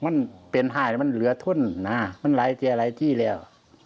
มันเป็นห้ายมันเหลือทุ่นมันรายเจียร์รายที่แล้ว